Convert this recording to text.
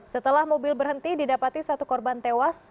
setelah mobil berhenti didapati satu korban tewas